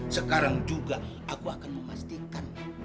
sekarang juga aku akan memastikan